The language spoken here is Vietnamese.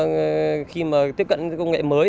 một số người dân khi tiếp cận công nghệ mới